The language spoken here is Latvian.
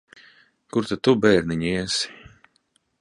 Kur tad tu, bērniņ, iesi?